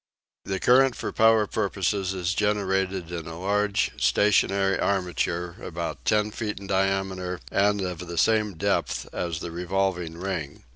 The current for power purposes is generated in a large stationary armature about ten feet in diameter and of the same depth as the revolving ring.